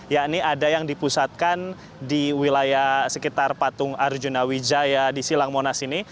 yakni ada yang dipusatkan di wilayah sekitar patung arjuna wijaya di silang monas ini